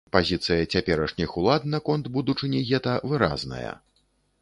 Пазіцыя цяперашніх улад наконт будучыні гета выразная.